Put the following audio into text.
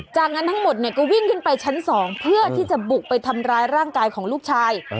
จากนั้นทั้งหมดก็วิ่งขึ้นไปชั้น๒เพื่อที่จะบุกไปทำร้ายร่างกายของลูกชาย